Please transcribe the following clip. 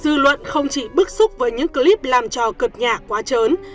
dư luận không chỉ bức xúc với những clip làm trò cực nhạc quá trớn